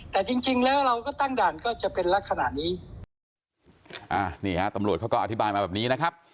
แต่จริงแล้วเราก็ตั้งด่านก็จะเป็นลักษณะนี้